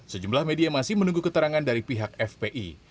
sejumlah media masih menunggu keterangan dari pihak fpi